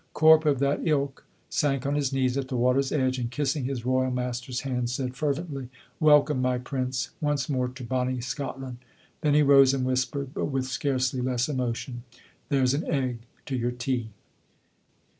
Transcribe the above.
Corp of that Ilk sank on his knees at the water's edge, and kissing his royal master's hand said, fervently, "Welcome, my prince, once more to bonny Scotland!" Then he rose and whispered, but with scarcely less emotion, "There's an egg to your tea."